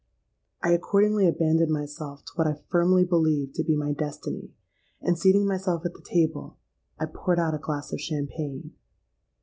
I accordingly abandoned myself to what I firmly believed to be my destiny; and, seating myself at the table, I poured out a glass of champagne.